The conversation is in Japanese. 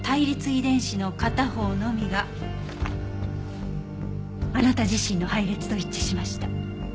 遺伝子の片方のみがあなた自身の配列と一致しました。